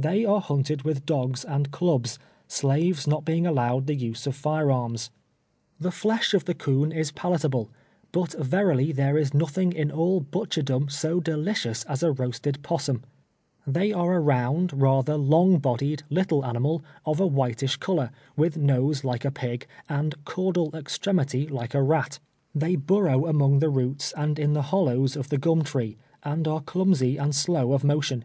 Tliey are hunted with dog s and clubs, slaves not beino: allowed the use of fire arms. HL'NTING TITE COON AND OPOSSUM. 201 Tlie flesli of tlie coon is palatable, but verily tlicre is nothing in all butcherdom so delicious as a roasted 'possum. Tliey are a round, rather long bodied, little animal, of a whitish color, with nose like a pig, and caudal extremity like a rat. They burrow among the roots and in the hollows of the gum tree, and are clumsy and slow of motion.